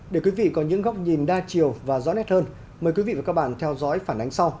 để quý vị có những góc nhìn đa chiều và rõ nét hơn mời quý vị và các bạn theo dõi phản ánh sau